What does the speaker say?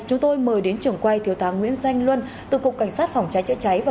chúng tôi mời đến trưởng quay thiếu tháng nguyễn danh luân từ cục cảnh sát phòng cháy chữa cháy và